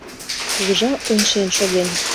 Кугыжа ончен шоген.